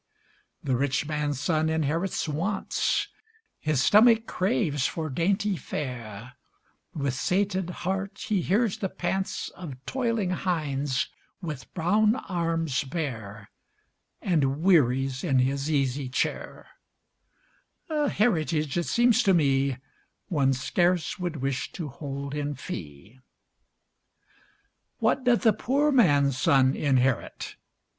The rich man's son inherits wants, His stomach craves for dainty fare; With sated heart, he hears the pants Of toiling hinds with brown arms bare, And wearies in his easy chair; A heritage, it seems to me, One scarce would wish to hold in fee. What doth the poor man's son inherit?